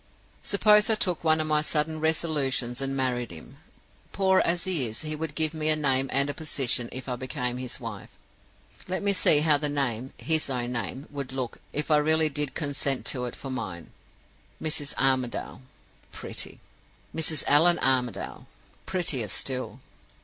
"Suppose I took one of my sudden resolutions, and married him. Poor as he is, he would give me a name and a position if I became his wife. Let me see how the name his own name would look, if I really did consent to it for mine. "'Mrs. Armadale!' Pretty. "'Mrs. Allan Armadale!' Prettier still.